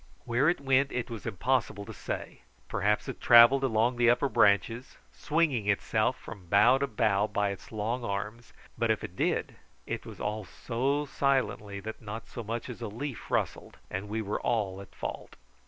Where it went it was impossible to say; perhaps it travelled along the upper branches, swinging itself from bough to bough by its long arms; but if it did, it was all so silently that not so much as a leaf rustled, and we were all at fault.